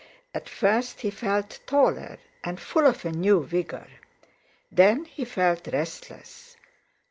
At first he felt taller and full of a new vigour; then he felt restless.